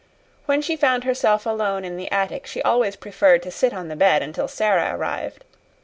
When she found herself alone in the attic she always preferred to sit on the bed until Sara arrived.